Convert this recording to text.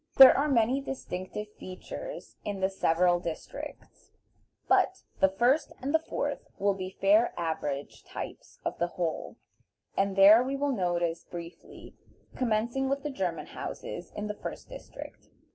There are many distinctive features in the several districts, but the first and the fourth will be fair average types of the whole, and these we will notice briefly, commencing with the German houses in the first district.